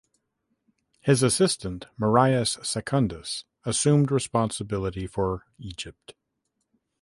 His assistant Marius Secundus assumed responsibility for Egypt.